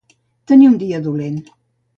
Tenir un dia dolent.